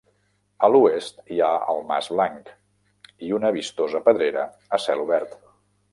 A l'oest hi ha el Mas Blanc i una vistosa pedrera a cel obert.